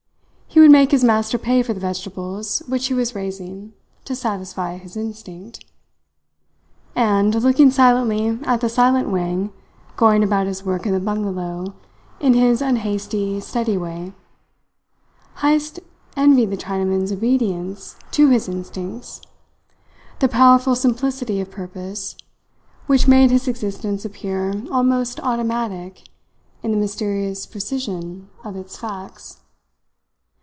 He would make his master pay for the vegetables which he was raising to satisfy his instinct. And, looking silently at the silent Wang going about his work in the bungalow in his unhasty, steady way; Heyst envied the Chinaman's obedience to his instincts, the powerful simplicity of purpose which made his existence appear almost automatic in the mysterious precision of its facts.